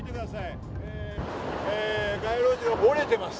街路樹が折れています。